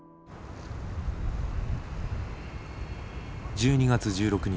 １２月１６日。